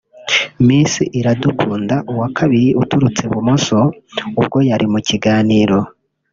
Miss Iradukunda (Uwa kabiri uturutse i Bumuso) ubwo yari mu kiganiro